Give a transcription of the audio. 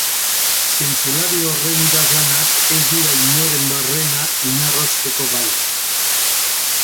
Zientzialari horren idazlanak ez dira inoren barrena inarrosteko gai.